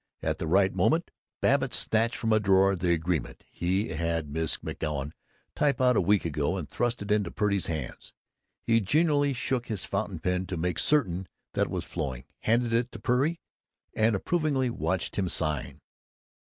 At the right moment Babbitt snatched from a drawer the agreement he had had Miss McGoun type out a week ago and thrust it into Purdy's hands. He genially shook his fountain pen to make certain that it was flowing, handed it to Purdy, and approvingly watched him sign.